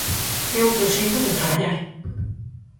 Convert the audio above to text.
É outro xeito de traballar.